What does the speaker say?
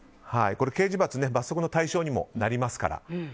刑事罰、罰則の対象にもなりますから。